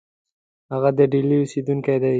هغه د ډهلي اوسېدونکی دی.